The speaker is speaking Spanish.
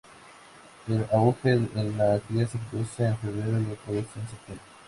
El auge en la cría se produce en febrero y otra vez en septiembre.